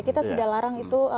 kita sudah larang itu